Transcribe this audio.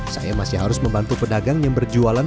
saya masih harus membantu pedagang yang berjualan